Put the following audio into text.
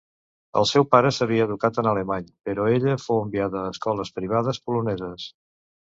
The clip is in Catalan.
El seu pare s'havia educat en alemany, però ella fou enviada a escoles privades poloneses.